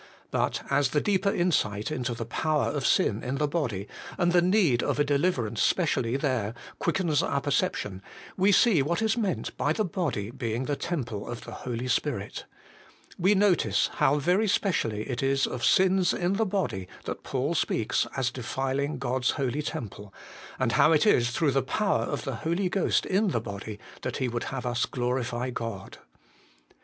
But as the deeper insight into the power of sin in the body, and the need of a deliverance specially there, quickens our perception, we see what is meant by the body being the temple of the Holy Spirit. "We notice how very specially it is of sins in the body that Paul speaks as defiling God's holy temple ; and how it is through the power of the Holy Ghost in the body that he would have us glorify God.